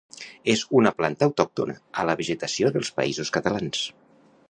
És una planta autòctona a la vegetació dels Països Catalans.